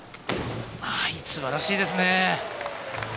素晴らしいですね。